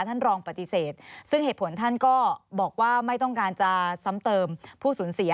ท่านรองปฏิเสธซึ่งเหตุผลท่านก็บอกว่าไม่ต้องการจะซ้ำเติมผู้สูญเสีย